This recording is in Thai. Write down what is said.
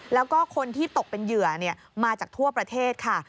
แล้วก็คนที่ตกเป็นเหยื่อมาจากทั่วประเทศค่ะ